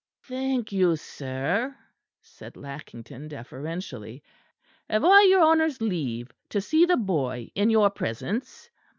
"Thank you, sir," said Lackington deferentially. "Have I your honour's leave to see the boy in your presence?"